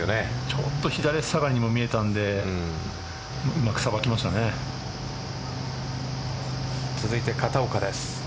ちょっと左足下がりにも見えたので続いて片岡です。